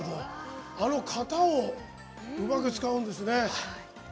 型をうまく使うんですね。